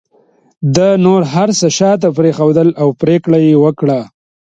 ده نور هر څه شاته پرېښودل او پرېکړه یې وکړه